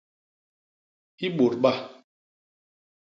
I bôt ba.